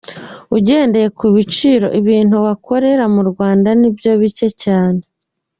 Ugendeye ku biciro ibintu wakorera mu Rwanda nibyo bike cyane.